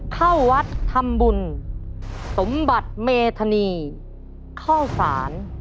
เข้าวัดทำบุญสมบัติเมธานีเข้าสาร